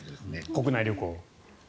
国内旅行。